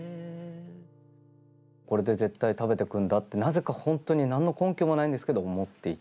これで絶対食べてくんだってなぜか本当に何の根拠もないんですけど思っていて。